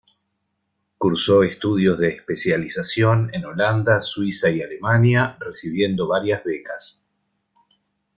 Cursó estudios de especialización en Holanda, Suiza y Alemania, recibiendo varias becas.